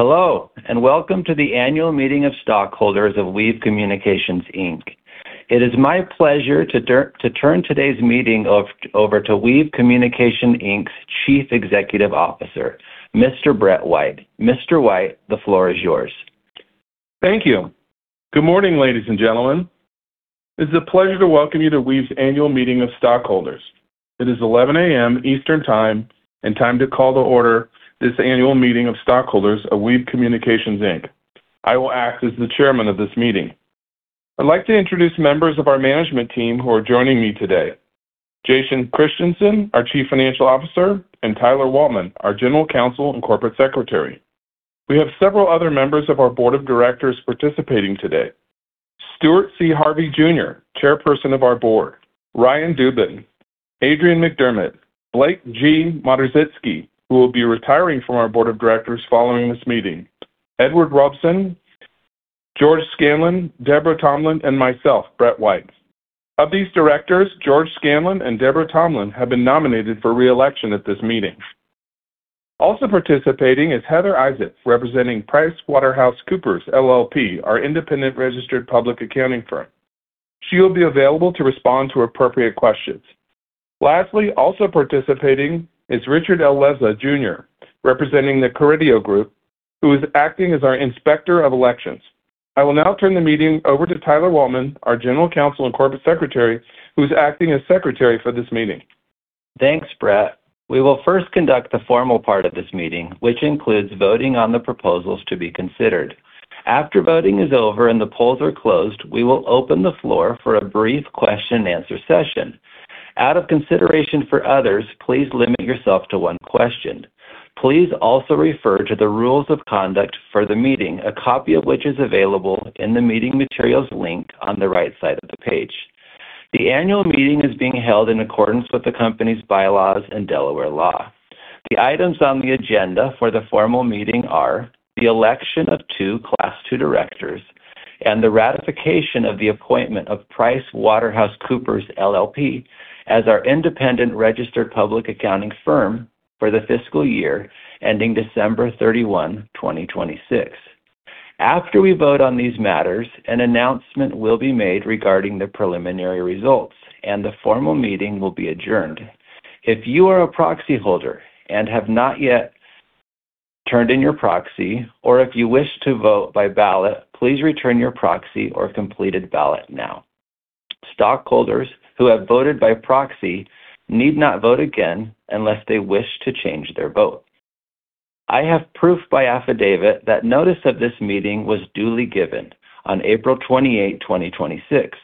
Hello, and welcome to the annual meeting of stockholders of Weave Communications, Inc. It is my pleasure to turn today's meeting over to Weave Communications, Inc.'s Chief Executive Officer, Mr. Brett White. Mr. White, the floor is yours. Thank you. Good morning, ladies and gentlemen. It is a pleasure to welcome you to Weave's annual meeting of stockholders. It is 11:00 A.M. Eastern Time and time to call to order this annual meeting of stockholders of Weave Communications, Inc. I will act as the Chairperson of this meeting. I'd like to introduce members of our management team who are joining me today. Jason Christiansen, our Chief Financial Officer, and Tyler Waltman, our General Counsel and Corporate Secretary. We have several other members of our Board of Directors participating today. Stuart C. Harvey Jr., Chairperson of our Board. Ryan Dubin, Adrian McDermott, Blake G. Modersitzki, who will be retiring from our Board of Directors following this meeting. Edward Robson, George Scanlon, Debora Tomlin, and myself, Brett White. Of these Directors, George Scanlon and Debora Tomlin have been nominated for re-election at this meeting. Also participating is Heather Isaac, representing PricewaterhouseCoopers LLP, our independent registered public accounting firm. She will be available to respond to appropriate questions. Lastly, also participating is Richard L. Lesa Jr, representing The Carideo Group, who is acting as our Inspector of Elections. I will now turn the meeting over to Tyler Waltman, our General Counsel and Corporate Secretary, who's acting as secretary for this meeting. Thanks, Brett. We will first conduct the formal part of this meeting, which includes voting on the proposals to be considered. After voting is over and the polls are closed, we will open the floor for a brief question and answer session. Out of consideration for others, please limit yourself to one question. Please also refer to the rules of conduct for the meeting, a copy of which is available in the meeting materials link on the right side of the page. The annual meeting is being held in accordance with the company's bylaws and Delaware law. The items on the agenda for the formal meeting are the election of two Class 2 Directors and the ratification of the appointment of PricewaterhouseCoopers LLP as our independent registered public accounting firm for the fiscal year ending December 31, 2026. After we vote on these matters, an announcement will be made regarding the preliminary results, the formal meeting will be adjourned. If you are a proxy holder and have not yet turned in your proxy, or if you wish to vote by ballot, please return your proxy or completed ballot now. Stockholders who have voted by proxy need not vote again unless they wish to change their vote. I have proof by affidavit that notice of this meeting was duly given on April 28, 2026,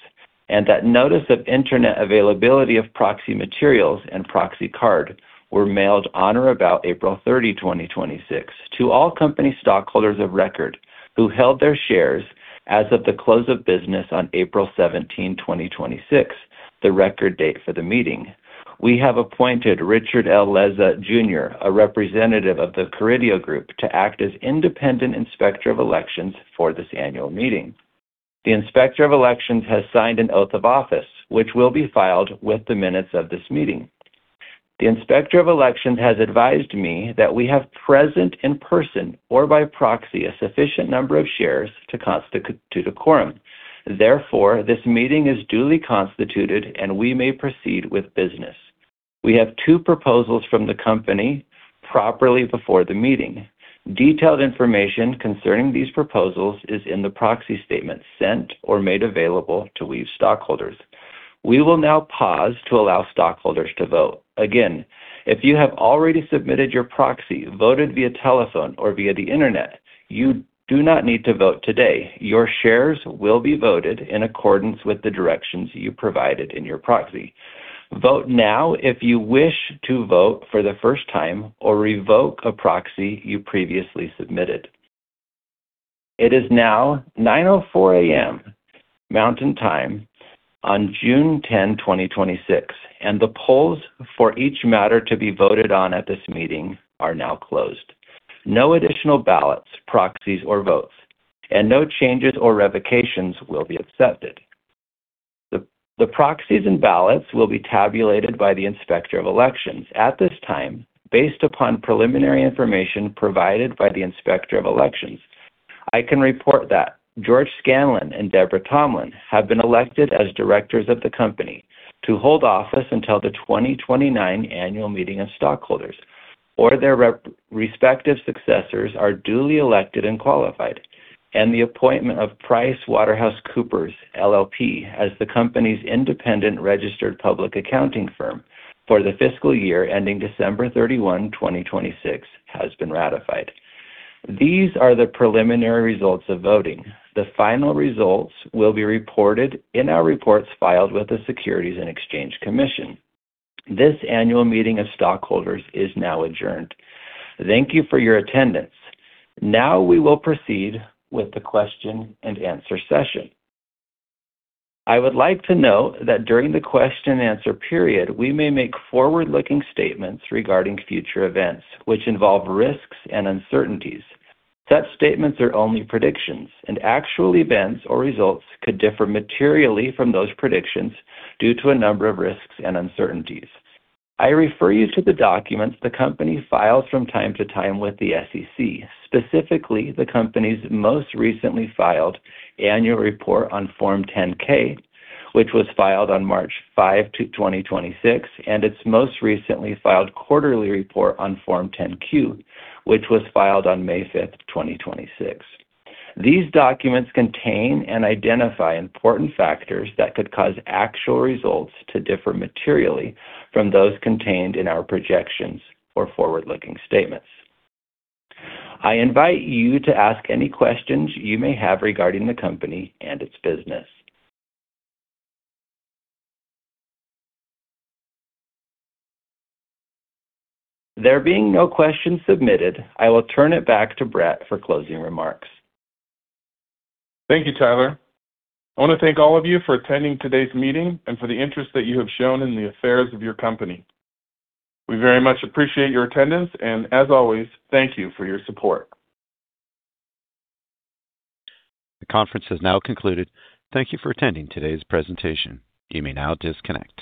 and that notice of internet availability of proxy materials and proxy card were mailed on or about April 30, 2026, to all company stockholders of record who held their shares as of the close of business on April 17, 2026, the record date for the meeting. We have appointed Richard L. Lesa Jr., a representative of The Carideo Group, to act as Independent Inspector of Elections for this annual meeting. The Inspector of Elections has signed an oath of office, which will be filed with the minutes of this meeting. The Inspector of Elections has advised me that we have present in person or by proxy a sufficient number of shares to constitute a quorum. This meeting is duly constituted, and we may proceed with business. We have two proposals from the company properly before the meeting. Detailed information concerning these proposals is in the proxy statement sent or made available to Weave stockholders. We will now pause to allow stockholders to vote. Again, if you have already submitted your proxy, voted via telephone or via the internet, you do not need to vote today. Your shares will be voted in accordance with the directions you provided in your proxy. Vote now if you wish to vote for the first time or revoke a proxy you previously submitted. It is now 9:04 A.M. Mountain Time on June 10, 2026, the polls for each matter to be voted on at this meeting are now closed. No additional ballots, proxies, or votes, no changes or revocations will be accepted. The proxies and ballots will be tabulated by the Inspector of Elections. At this time, based upon preliminary information provided by the Inspector of Elections, I can report that George Scanlon and Debora Tomlin have been elected as directors of the company to hold office until the 2029 annual meeting of stockholders or their respective successors are duly elected and qualified, the appointment of PricewaterhouseCoopers LLP as the company's independent registered public accounting firm for the fiscal year ending December 31, 2026, has been ratified. These are the preliminary results of voting. The final results will be reported in our reports filed with the Securities and Exchange Commission. This annual meeting of stockholders is now adjourned. Thank you for your attendance. We will proceed with the question and answer session. I would like to note that during the question and answer period, we may make forward-looking statements regarding future events which involve risks and uncertainties. Such statements are only predictions, actual events or results could differ materially from those predictions due to a number of risks and uncertainties. I refer you to the documents the company files from time to time with the SEC, specifically, the company's most recently filed annual report on Form 10-K, which was filed on March 5, 2026, its most recently filed quarterly report on Form 10-Q, which was filed on May 5, 2026. These documents contain and identify important factors that could cause actual results to differ materially from those contained in our projections or forward-looking statements. I invite you to ask any questions you may have regarding the company and its business. There being no questions submitted, I will turn it back to Brett for closing remarks. Thank you, Tyler. I want to thank all of you for attending today's meeting and for the interest that you have shown in the affairs of your company. We very much appreciate your attendance, as always, thank you for your support. The conference has now concluded. Thank you for attending today's presentation. You may now disconnect.